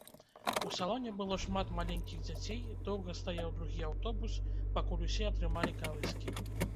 У салоне было шмат маленькіх дзяцей, доўга стаяў другі аўтобус, пакуль усе атрымалі калыскі.